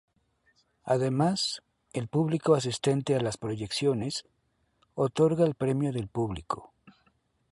Además, el público asistente a las proyecciones, otorga el Premio del Público.